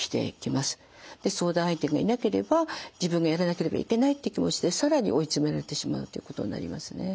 相談相手がいなければ自分がやらなければいけないって気持ちで更に追い詰められてしまうということになりますね。